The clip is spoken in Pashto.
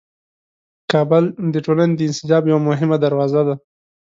کابل د ټولنې د انسجام یوه مهمه دروازه ده.